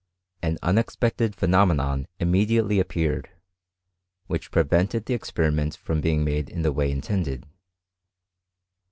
An unexpected phe nomenon immediately appeared, which prevented the experiment from being made in the way intended.